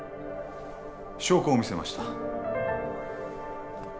証拠を見せました